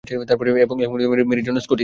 এবং ম্যারির জন্য স্কটিশের।